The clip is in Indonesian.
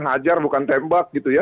hajar bukan tembak gitu ya